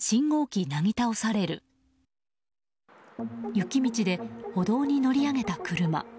雪道で歩道に乗り上げた車。